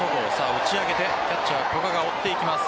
打ち上げてキャッチャー・古賀が追っていきます。